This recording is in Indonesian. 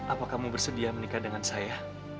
apa kamu bersedia menikah dengan saya